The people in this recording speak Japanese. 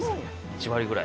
１割ぐらい。